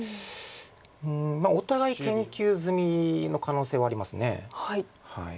まあお互い研究済みの可能性はあります。